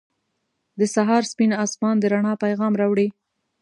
• د سهار سپین آسمان د رڼا پیغام راوړي.